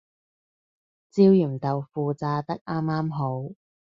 焦鹽豆腐炸得啱啱好